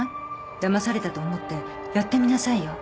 だまされたと思ってやってみなさいよ。